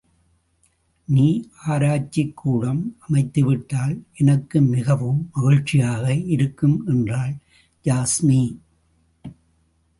நீ ஆராய்ச்சிக்கூடம் அமைத்துவிட்டால் எனக்கு மிகவும் மகிழ்ச்சியாக இருக்கும் என்றாள் யாஸ்மி.